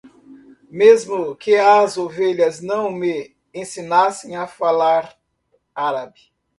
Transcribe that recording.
Mesmo que as ovelhas não me ensinassem a falar árabe.